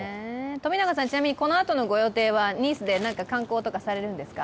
ちなみに、このあとのご予定は、ニースで観光とかされるんですか？